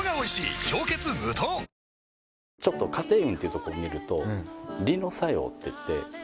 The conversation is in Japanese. あちょっと家庭運っていうとこを見ると。